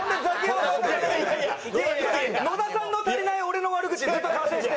野田さんの足りない俺の悪口にずっと加勢して。